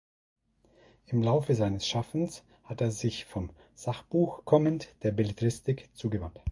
Im Laufe seines Schaffens hat er sich vom Sachbuch kommend der Belletristik zugewandt.